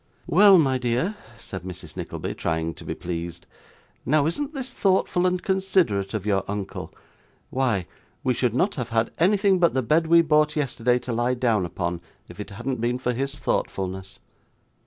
'Well, my dear,' said Mrs. Nickleby, trying to be pleased, 'now isn't this thoughtful and considerate of your uncle? Why, we should not have had anything but the bed we bought yesterday, to lie down upon, if it hadn't been for his thoughtfulness!